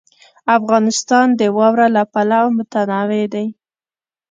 افغانستان د واوره له پلوه متنوع دی.